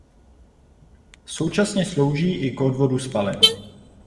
Současně slouží i k odvodu spalin.